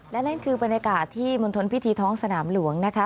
และนั่นคือบรรยากาศที่มณฑลพิธีท้องสนามหลวงนะคะ